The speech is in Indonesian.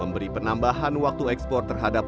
dan diperlukan penambahan waktu ekspor terhadap lima komoditas